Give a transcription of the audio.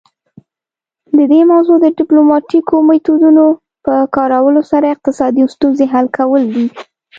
د دې موضوع د ډیپلوماتیکو میتودونو په کارولو سره اقتصادي ستونزې حل کول دي